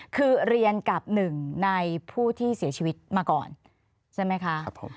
คือเรียนกับหนึ่งในผู้ที่เสียชีวิตมาก่อนใช่ไหมคะ